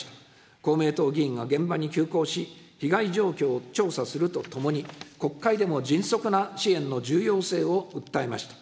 公明党議員が現場に急行し、被害状況を調査するとともに、国会でも迅速な支援の重要性を訴えました。